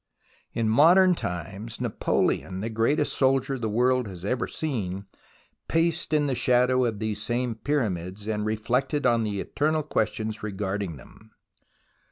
In modern times Napoleon, the greatest soldier the world has ever seen, paced in the shadow of these same Pyramids, and reflected on the eternal questions regarding them.